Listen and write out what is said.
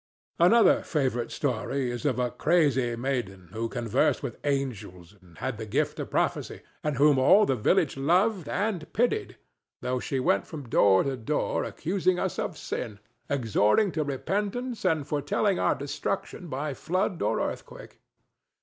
Another favorite story is of a crazy maiden who conversed with angels and had the gift of prophecy, and whom all the village loved and pitied, though she went from door to door accusing us of sin, exhorting to repentance and foretelling our destruction by flood or earthquake.